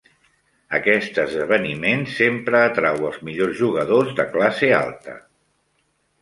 Aquest esdeveniment sempre atrau els millors jugadors de classe alta.